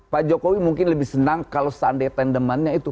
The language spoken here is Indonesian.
pak jokowi mungkin lebih senang kalau seandainya tandemannya itu